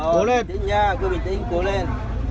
cứ bình tĩnh cố lên